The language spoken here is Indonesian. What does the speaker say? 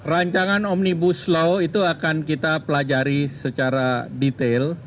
rancangan omnibus law itu akan kita pelajari secara detail